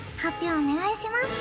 お願いします